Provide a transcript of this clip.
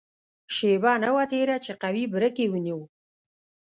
شېبه نه وه تېره چې قوي بریک یې ونیو.